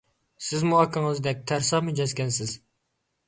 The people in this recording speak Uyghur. سىزمۇ ئاكىڭىزدەك تەرسا مىجەزكەنسىز!